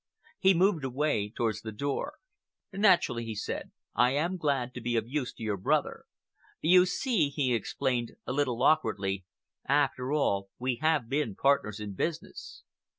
He moved away towards the door. "Naturally," he said, "I am glad to be of use to your brother. You see," he explained, a little awkwardly, "after all, we have been partners in business."